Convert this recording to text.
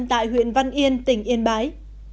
tại huyện văn yên tỉnh yên bái